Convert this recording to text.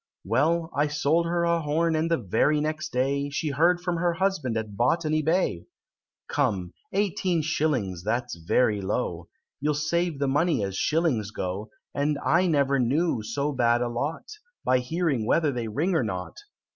Well, I sold her a horn, and the very next day She heard from her husband at Botany Bay! Come eighteen shillings that's very low, You'll save the money as shillings go, And I never knew so bad a lot, By hearing whether they ring or not!